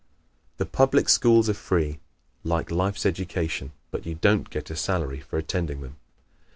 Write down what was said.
The public schools are free, like life's education, but you don't get a salary for attending them.